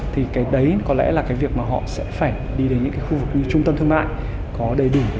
thì cái đấy có lẽ là cái việc mà họ sẽ phải đi đến những khu vực như trung tâm thương mại